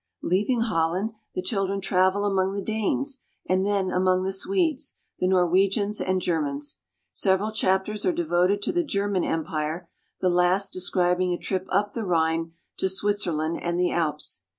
Leaving Holland, the children travel among the Danes and then among the Swedes, the Norwegians and Germans. Several chap ters are devoted to the German Empire, the last describing a trip up the Rhine to Switzerland and the Alps.